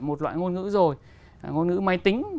một loại ngôn ngữ rồi ngôn ngữ máy tính